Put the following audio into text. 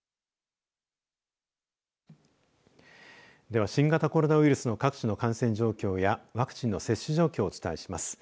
では新型コロナウイルスの各地の感染状況やワクチンの接種状況をお伝えします。